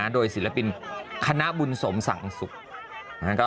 โดยศิลปินคณะบุญสมสังสุข